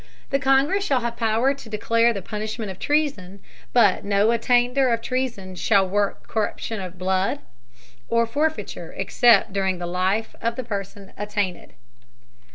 The Congress shall have Power to declare the Punishment of Treason, but no Attainder of Treason shall work Corruption of Blood, or Forfeiture except during the Life of the Person attainted.